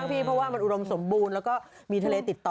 เพราะว่ามันอุดมสมบูรณ์แล้วก็มีทะเลติดต่อ